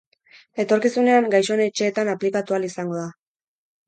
Etorkizunean gaixoen etxeetan aplikatu ahal izango da.